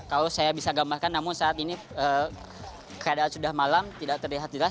kalau saya bisa gambarkan namun saat ini keadaan sudah malam tidak terlihat jelas